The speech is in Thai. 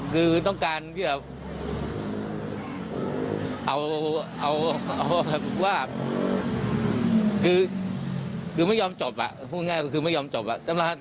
คือต้องการที่แบบเอาแบบว่าคือไม่ยอมจบอ่ะพูดง่ายก็คือไม่ยอมจบอ่ะท่านประธาน